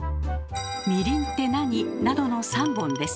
「みりんってなに？」などの３本です。